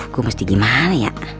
aduh gue mesti gimana ya